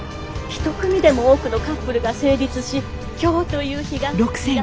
一組でも多くのカップルが成立し今日という日が。